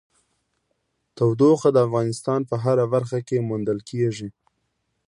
تودوخه د افغانستان په هره برخه کې موندل کېږي.